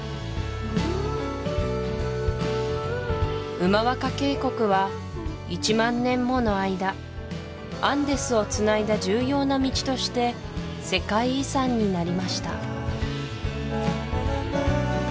ウマワカ渓谷は１万年もの間アンデスをつないだ重要な道として世界遺産になりました